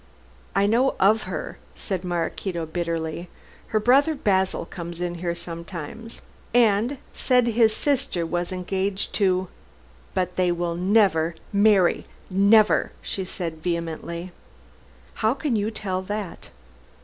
"I know of her," said Maraquito bitterly. "Her brother Basil comes here sometimes, and said his sister was engaged to but they will never marry never!" she said vehemently. "How can you tell that?"